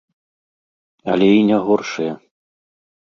Але і не горшая.